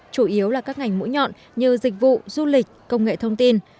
chủ yếu là các ngành mũi nhọn như dịch vụ du lịch công nghệ thông tin